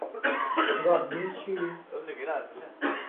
รอบนี้ชิล